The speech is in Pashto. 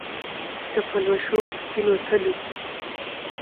د پلوشو په سپینو تلو کې